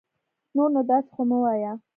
نور نو داسي خو مه وايه